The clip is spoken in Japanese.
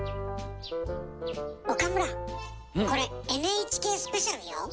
岡村、これ「ＮＨＫスペシャル」よ！